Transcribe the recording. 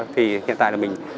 thì hiện tại là mình